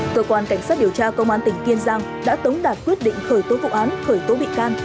cơ quan cảnh sát điều tra công an tỉnh kiên giang đã tống đạt quyết định khởi tố vụ án khởi tố bị can